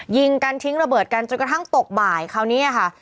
ยิงกันทิ้งระเบิดกันจนกระทั่งตกบ่ายคราวนี้ค่ะ